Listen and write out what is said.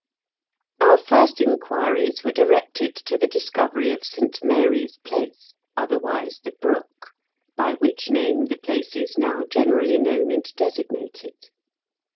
Our first inquiries were directed to the 62 IN KENT WITH CHABLE8 DICKENS. discovery of St. Mary's Place, otherwise The Brook, by which name the place is now generally known and designated.